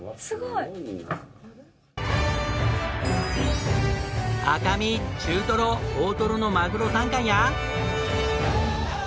すごい！赤身中トロ大トロのマグロ３貫や。